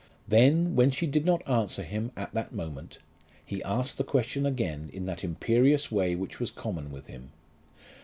Then, when she did not answer him at the moment, he asked the question again in that imperious way which was common with him.